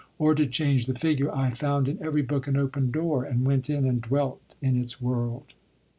Or, to change the figure, I found in every book an open door, and went in and dwelt in its world.